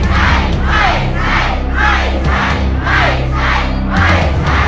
ไม่ใช่